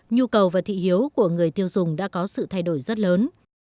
nhu cầu và thị hiếu của người tiêu dùng đã có sự thay đổi rất lớn